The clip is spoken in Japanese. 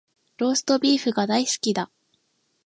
ローストビーフが大好きだ